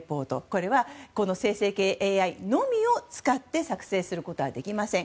これは生成系ＡＩのみを使って作成することはできません。